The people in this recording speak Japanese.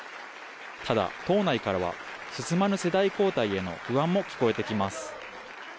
ただ党内からは進まぬ世代交代への不安も聞こえてきます。